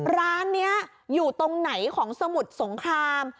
ร้านนี้อยู่ตรงไหนของสมุทรสงคราม